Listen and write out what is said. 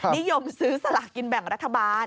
นิยมซื้อสลากินแบ่งรัฐบาล